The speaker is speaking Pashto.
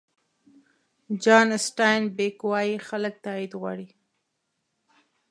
جان سټاین بېک وایي خلک تایید غواړي.